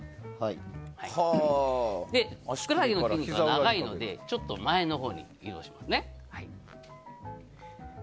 ふくらはぎの筋肉は長いのでちょっと前のほうに移動しますね。